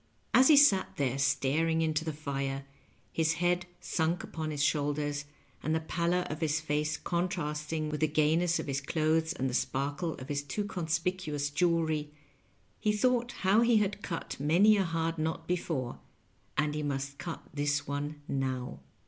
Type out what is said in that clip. Ab he sat there staring into the fire, his head snnk npon his shoulders, and the pallor of his face con trasting with the gajness of his clothes and the sparkle of his too conspicuous jewelry, he thought how he had cut many a hard knot before, as he must cut this one now.